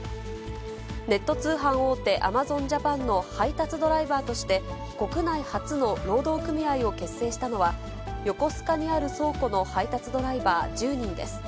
ネット通販大手、アマゾンジャパンの配達ドライバーとして、国内初の労働組合を結成したのは、横須賀にある倉庫の配達ドライバー１０人です。